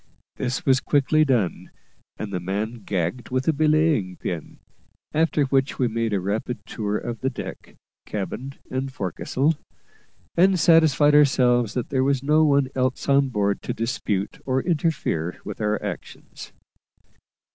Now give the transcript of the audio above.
This was quickly done, and the man gagged with a belaying pin; after which we made a rapid tour of the deck, cabin, and forecastle, and satisfied ourselves that there was no one else on board to dispute or interfere with our actions.